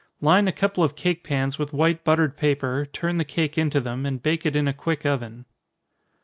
Line a couple of cake pans with white buttered paper, turn the cake into them, and bake it in a quick oven.